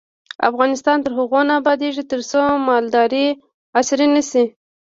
افغانستان تر هغو نه ابادیږي، ترڅو مالداري عصري نشي.